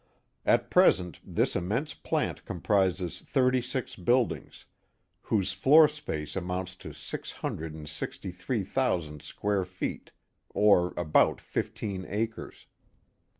At present this immense plant comprises thirty six build ings, whose floor space amounts to six hundred and sixty three thousand square feet, or about fifteen acres.